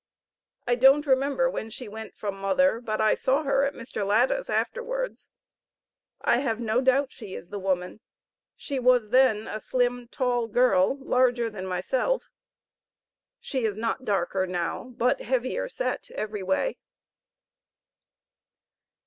I don't remember when she went from mother, but I saw her at Mr. Latta's afterwards. I have no doubt she is the woman; she was then a slim, tall girl, larger than myself; she is not darker now, but heavier set every way.